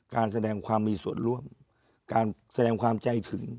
การแสดงความมีส่วนร่วมการแสดงความใจถึง